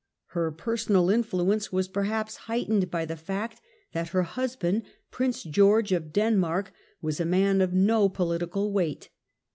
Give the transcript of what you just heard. Her personal influence was perhaps heightened by the fact that her husband. Prince George of Denmark, was a man of no political weight.